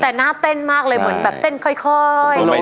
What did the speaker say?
แต่น่าเต้นมากเลยเหมือนแบบเต้นค่อย